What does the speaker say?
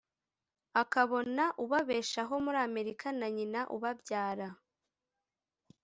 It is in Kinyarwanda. akabona ububabeshaho muri Amerika na Nyina ubabyara